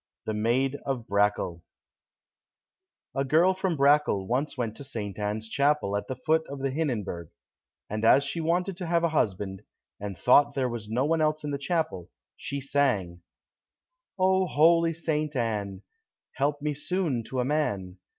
139 The Maid of Brakel A girl from Brakel once went to St. Anne's Chapel at the foot of the Hinnenberg, and as she wanted to have a husband, and thought there was no one else in the chapel, she sang, "Oh, holy Saint Anne! Help me soon to a man.